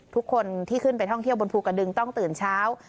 ทุกคนที่ขึ้นไปท่องเที่ยวบนภูกระดึงต้องตื่นเช้า